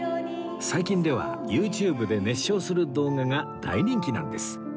最近では ＹｏｕＴｕｂｅ で熱唱する動画が大人気なんです